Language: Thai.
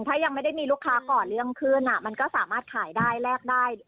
ถ้ายังไม่ได้มีลูกค้าก่อเรื่องขึ้นมันก็สามารถขายได้แลกได้